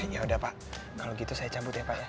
yaudah pak kalau gitu saya cabut ya pak ya